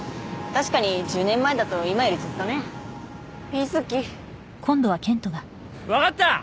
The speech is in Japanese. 確かに１０年前だと今よりずっとね瑞貴わかった！